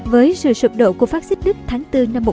với sự sụp đổ của fascist đức tháng bốn